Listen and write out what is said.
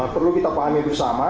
perlu kita pahami bersama